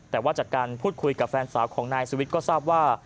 แต่ว่าจากการพูดคุยกับแฟนสาวของนายสุวิทย์ก็ทราบว่า